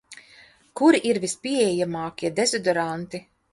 Kuri ir vispieejamākie dezodoranti?